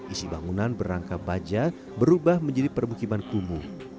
isi bangunan berangka baja berubah menjadi permukiman kumuh